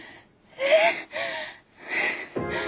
えっ。